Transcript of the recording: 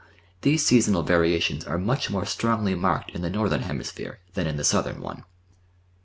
These seasonal variations are much more strongly marked in the Northern Hemisphere than in the Southern one.